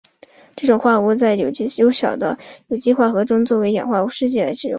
这种化合物在较少的有机合成中作为氧化性试剂来使用。